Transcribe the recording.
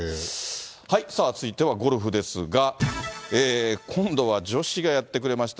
さあ、続いてはゴルフですが、今度は女子がやってくれました。